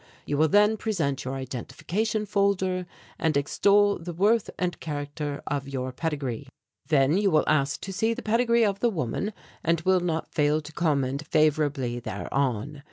You will then present your identification folder and extol the worth and character of your pedigree. "Then you will ask to see the pedigree of the woman, and will not fail to comment favourably thereon.